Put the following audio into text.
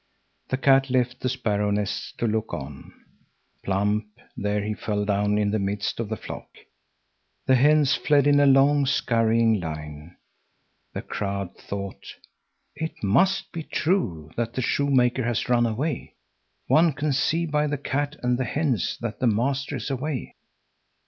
The cat left the sparrow nests to look on. Plump, there he fell down in the midst of the flock. The hens fled in a long, scurrying line. The crowd thought: "It must be true that the shoemaker has run away. One can see by the cat and the hens that the master is away."